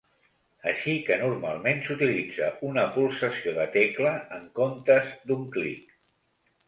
Així que normalment s'utilitza una pulsació de tecla en comptes d'un clic.